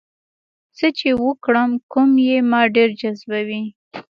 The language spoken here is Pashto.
څه چې وکړم کوم یې ما ډېر جذبوي؟